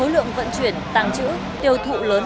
lượng vận chuyển tàng trữ tiêu thụ lớn